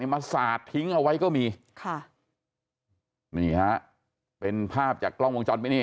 มาสาดทิ้งเอาไว้ก็มีค่ะนี่ฮะเป็นภาพจากกล้องวงจรปิด